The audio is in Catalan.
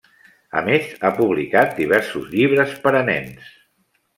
A més, ha publicat diversos llibres per a nens.